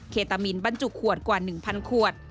ตามินบรรจุขวดกว่า๑๐๐ขวด